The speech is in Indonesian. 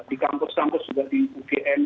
di kampus kampus juga di ugm